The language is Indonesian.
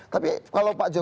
tapi kalau pak jom